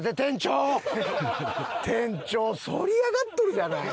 店長反り上がっとるじゃない！